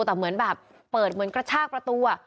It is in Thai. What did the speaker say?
แต่เหมือนแบบเปิดเหมือนกระชากประตู